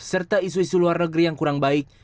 serta isu isu luar negeri yang kurang baik